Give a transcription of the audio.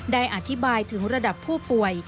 ได้อธิบายถึงระดับผู้ป่วย